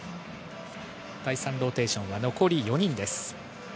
第３ローテーションは残り４人です。